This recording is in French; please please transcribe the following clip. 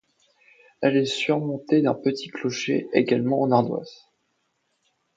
Elle est surmontée d'un petit clocher, également en ardoises.